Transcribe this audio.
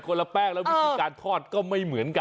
ละแป้งแล้ววิธีการทอดก็ไม่เหมือนกัน